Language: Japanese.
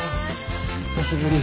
久しぶり。